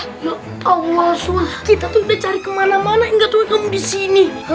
ya allah sob kita tuh udah cari kemana mana enggak tuh kamu disini